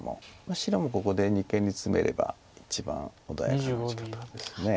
白もここで二間にツメれば一番穏やかな打ち方です。